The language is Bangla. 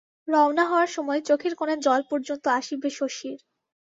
রওনা হওয়ার সময় চোখের কোণে জল পর্যন্ত আসিবে শশীর।